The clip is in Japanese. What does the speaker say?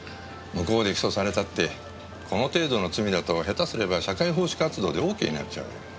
向こうで起訴されたってこの程度の罪だとヘタすれば社会奉仕活動でオーケーになっちゃうよ。